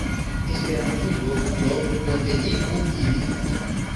Esperantujo do bonvenigu ilin!